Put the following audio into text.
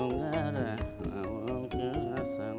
mada awal kelas sana